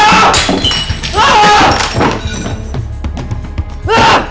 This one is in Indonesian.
aku mau ke rumah